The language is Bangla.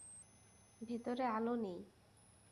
ভেতরে আলো নেই।